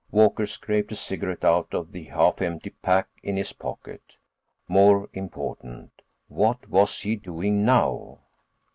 Walker scraped a cigarette out of the half empty pack in his pocket. More important: what was he doing now?